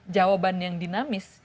jawaban yang dinamis